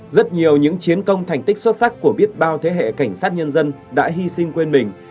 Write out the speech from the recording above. rất nhiều những chiến công thành tích xuất sắc của biết bao thế hệ cảnh sát nhân dân đã hy sinh quên mình